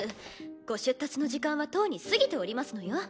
ご出立の時間はとうに過ぎておりますのよ。